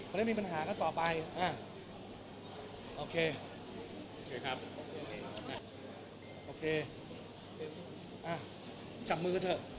มันได้มีปัญหากันต่อไปอ่ะโอเคครับโอเคอ่าจับมือกันเถอะ